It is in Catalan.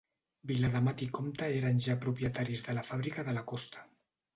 Viladamat i Comte eren ja propietaris de la fàbrica de la Costa.